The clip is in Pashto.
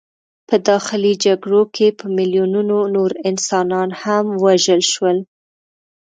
په داخلي جګړو کې په میلیونونو نور انسانان هم ووژل شول.